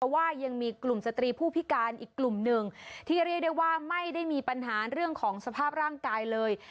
ว่ายังมีกลุ่มสตรีผู้พิการอีกกลุ่มหนึ่งที่เรียกได้ว่าไม่ได้มีปัญหาเรื่องของสภาพร่างกายเลย